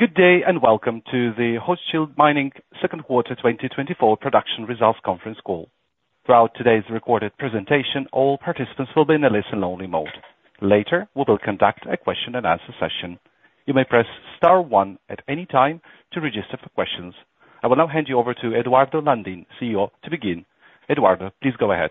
Good day and welcome to the Hochschild Mining 2nd Quarter 2024 Production Results Conference call. Throughout today's recorded presentation, all participants will be in a listen-only mode. Later, we will conduct a question-and-answer session. You may press star one at any time to register for questions. I will now hand you over to Eduardo Landin, CEO, to begin. Eduardo, please go ahead.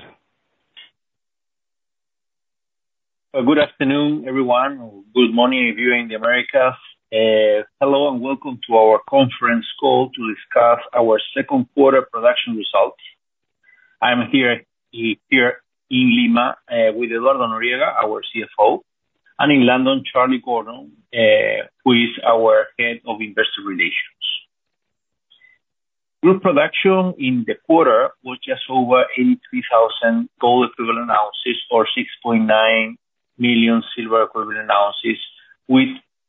Good afternoon, everyone, or good morning, viewing the Americas. Hello and welcome to our conference call to discuss our second quarter production results. I'm here in Lima with Eduardo Noriega, our CFO, and in London, Charlie Gordon, who is our head of investor relations. Group production in the quarter was just over 83,000 gold equivalent ounces or 6.9 million silver equivalent ounces,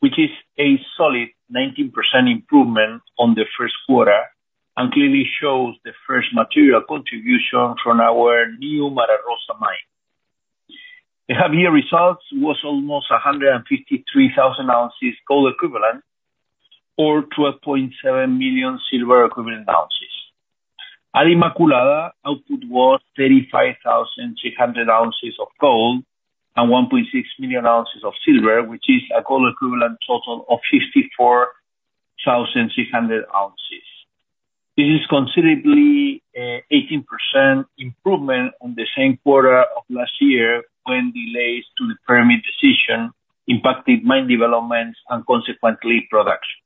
which is a solid 19% improvement on the first quarter and clearly shows the first material contribution from our new Mara Rosa mine. The half-year results were almost 153,000 ounces of gold equivalent or 12.7 million silver equivalent ounces. At Inmaculada, output was 35,300 ounces of gold and 1.6 million ounces of silver, which is a gold equivalent total of 54,300 ounces. This is a considerably 18% improvement on the same quarter of last year when delays to the permit decision impacted mine development and consequently production.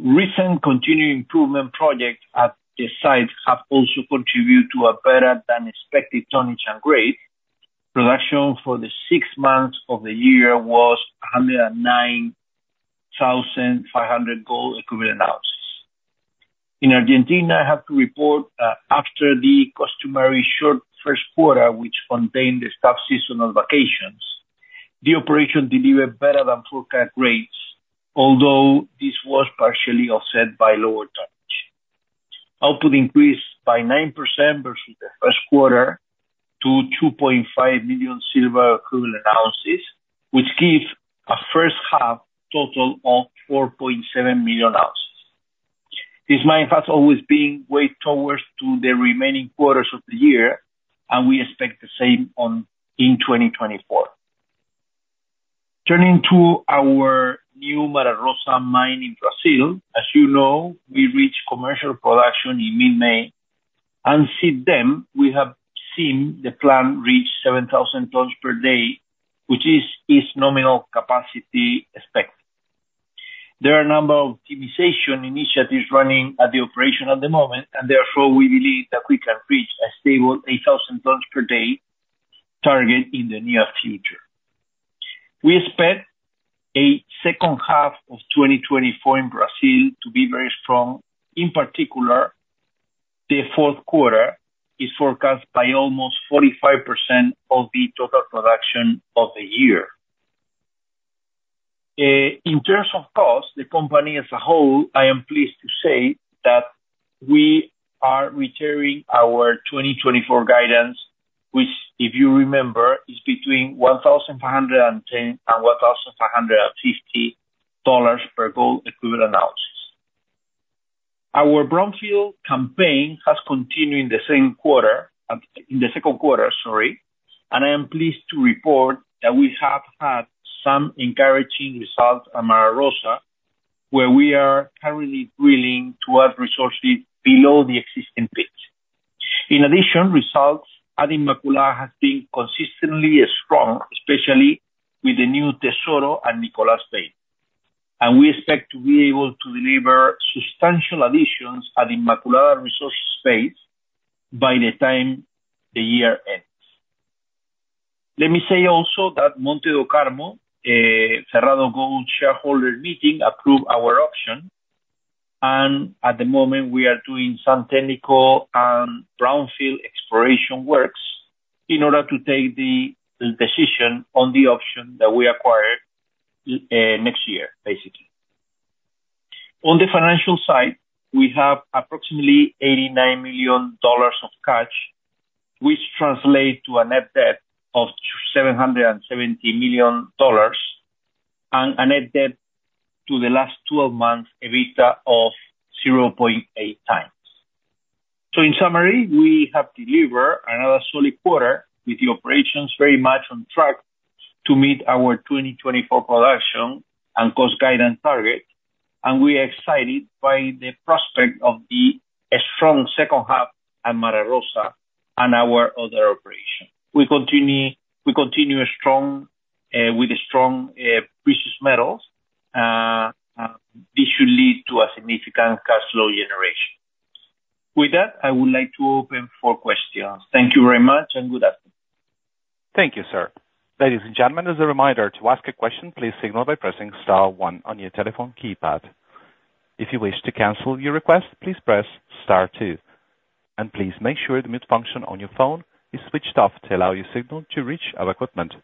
Recent continuing improvement projects at the site have also contributed to a better than expected tonnage and grade. Production for the six months of the year was 109,500 gold equivalent ounces. In Argentina, I have to report that after the customary short first quarter, which contained the staff seasonal vacations, the operation delivered better than forecast grades, although this was partially offset by lower tonnage. Output increased by 9% versus the first quarter to 2.5 million silver equivalent ounces, which gives a first half total of 4.7 million ounces. This mine has always been weighed towards the remaining quarters of the year, and we expect the same in 2024. Turning to our new Mara Rosa mine in Brazil, as you know, we reached commercial production in mid-May. Since then, we have seen the plant reach 7,000 tons per day, which is its nominal capacity expected. There are a number of optimization initiatives running at the operation at the moment, and therefore we believe that we can reach a stable 8,000 tons per day target in the near future. We expect the second half of 2024 in Brazil to be very strong. In particular, the fourth quarter is forecast by almost 45% of the total production of the year. In terms of cost, the company as a whole, I am pleased to say that we are reiterating our 2024 guidance, which, if you remember, is between $1,510 and $1,550 per gold equivalent ounces. Our brownfield campaign has continued in the second quarter, sorry, and I am pleased to report that we have had some encouraging results at Mara Rosa, where we are currently drilling to add resources below the existing pit. In addition, results at Inmaculada have been consistently strong, especially with the new Tesoro and Nicolas veins. We expect to be able to deliver substantial additions at Inmaculada resources base by the time the year ends. Let me say also that Monte do Carmo, Cerrado Gold shareholder meeting approved our option, and at the moment we are doing some technical and brownfield exploration works in order to take the decision on the option that we acquired next year, basically. On the financial side, we have approximately $89 million of cash, which translates to a net debt of $270 million and a net debt to the last 12 months EBITDA of 0.8x. In summary, we have delivered another solid quarter with the operations very much on track to meet our 2024 production and cost guidance target, and we are excited by the prospect of a strong second half at Mara Rosa and our other operation. We continue with strong precious metals, and this should lead to a significant cash flow generation. With that, I would like to open for questions. Thank you very much and good afternoon. Thank you, sir. Ladies and gentlemen, as a reminder, to ask a question, please signal by pressing star one on your telephone keypad. If you wish to cancel your request, please press star two. And please make sure the mute function on your phone is switched off to allow your signal to reach our equipment.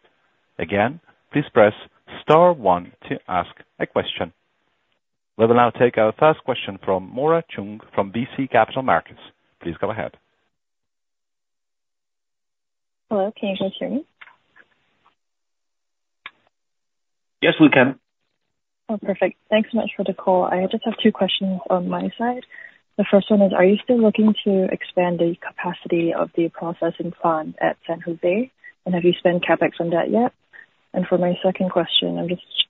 Again, please press star one to ask a question. We will now take our first question from Laura Chan from RBC Capital Markets. Please go ahead. Hello, can you guys hear me? Yes, we can. Oh, perfect. Thanks so much for the call. I just have two questions on my side. The first one is, are you still looking to expand the capacity of the processing plant at San Jose, and have you spent CapEx on that yet? And for my second question,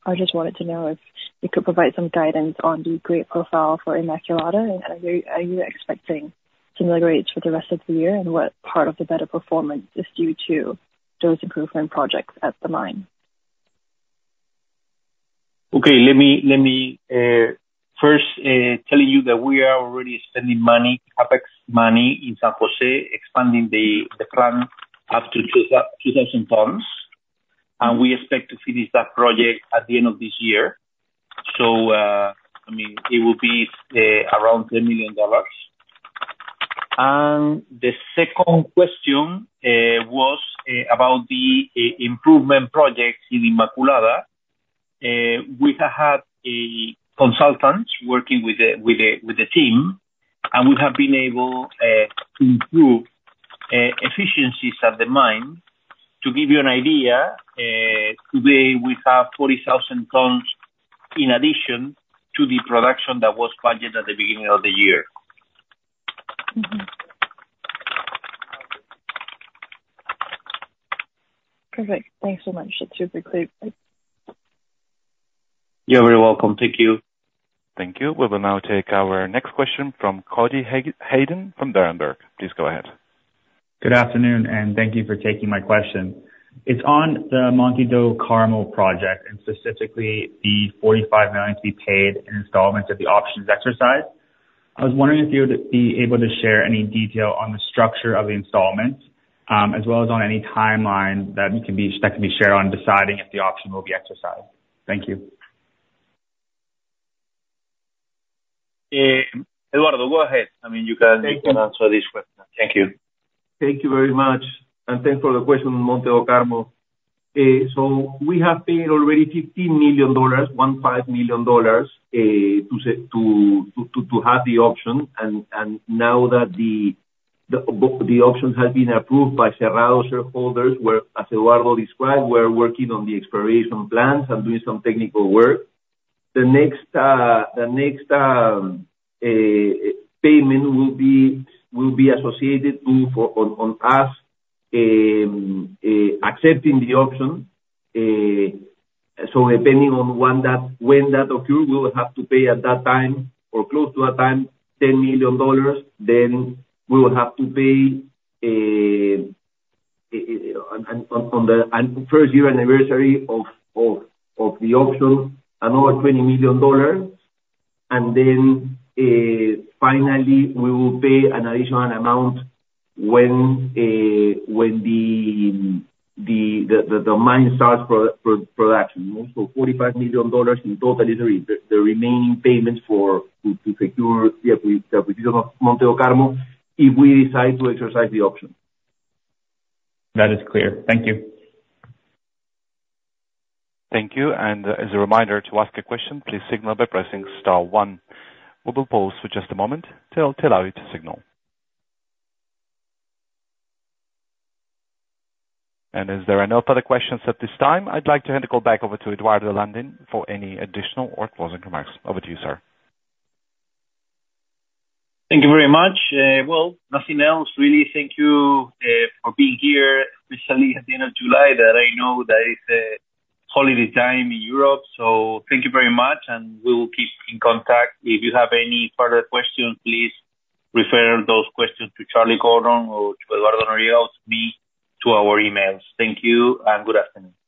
I just wanted to know if you could provide some guidance on the grade profile for Inmaculada, and are you expecting similar grades for the rest of the year, and what part of the better performance is due to those improvement projects at the mine? Okay, let me first tell you that we are already spending CapEx money in San Jose, expanding the plant up to 2,000 tons, and we expect to finish that project at the end of this year. So, I mean, it will be around $10 million. And the second question was about the improvement projects in Inmaculada. We have had consultants working with the team, and we have been able to improve efficiencies at the mine. To give you an idea, today we have 40,000 tons in addition to the production that was budgeted at the beginning of the year. Perfect. Thanks so much. That's super clear. You're very welcome. Thank you. Thank you. We will now take our next question from Cody Hayden from Berenberg. Please go ahead. Good afternoon, and thank you for taking my question. It's on the Monte do Carmo project, and specifically the $45 million to be paid in installments of the options exercise. I was wondering if you would be able to share any detail on the structure of the installments, as well as on any timeline that can be shared on deciding if the option will be exercised. Thank you. Eduardo, go ahead. I mean, you can answer this question. Thank you. Thank you very much. Thanks for the question, Monte do Carmo. So we have paid already $15 million, $15 million to have the option, and now that the option has been approved by Cerrado shareholders, as Eduardo described, we are working on the exploration plans and doing some technical work. The next payment will be associated on us accepting the option. So depending on when that occurs, we will have to pay at that time or close to that time $10 million. Then we will have to pay on the first year anniversary of the option, another $20 million. And then finally, we will pay an additional amount when the mine starts production. So $45 million in total is the remaining payment to secure the acquisition of Monte do Carmo if we decide to exercise the option. That is clear. Thank you. Thank you. And as a reminder, to ask a question, please signal by pressing star one. We will pause for just a moment till you tell us to signal. And is there no further questions at this time? I'd like to hand the call back over to Eduardo Landin for any additional or closing remarks. Over to you, sir. Thank you very much. Well, nothing else, really. Thank you for being here, especially at the end of July, that I know that it's a holiday time in Europe. So thank you very much, and we will keep in contact. If you have any further questions, please refer those questions to Charlie Gordon or to Eduardo Noriega, or to me, to our emails. Thank you and good afternoon.